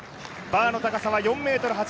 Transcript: バーの高さは４ｍ８０ｃｍ。